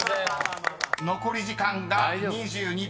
［残り時間が２２秒３３］